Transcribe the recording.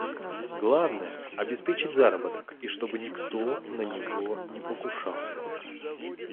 Главное – обеспечить заработок и чтобы никто на него не покушался.